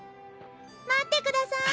待ってください！